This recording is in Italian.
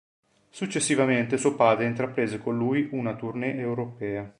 Successivamente suo padre intraprese con lui una tournée europea.